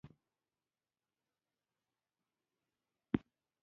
خلک مو غیبت کوي کله چې ستا سویې ته نه شي رسېدلی.